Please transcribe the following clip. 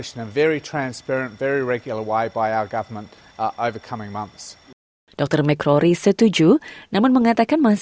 saya rasa anda masuk ke medis